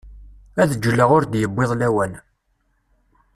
Ad ğğleɣ ur d-yewwiḍ lawan.